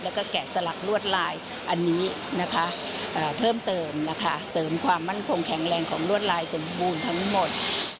แล้วก็แกะสลักลวดลายอันนี้นะคะเพิ่มเติมนะคะเสริมความมั่นคงแข็งแรงของลวดลายสมบูรณ์ทั้งหมด